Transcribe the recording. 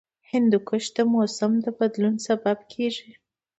هندوکش د موسم د بدلون سبب کېږي.